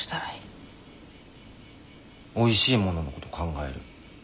おいしいもののこと考える。